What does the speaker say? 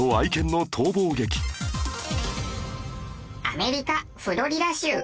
アメリカフロリダ州。